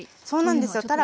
そうなんですよ。